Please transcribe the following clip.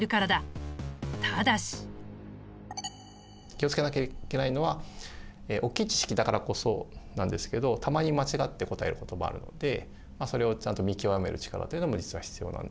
気を付けなきゃいけないのは大きい知識だからこそなんですけどたまに間違って答えることもあるのでそれをちゃんと見極める力というのも実は必要なんですけど。